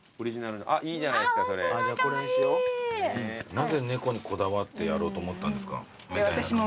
なぜ猫にこだわってやろうと思ったんですか？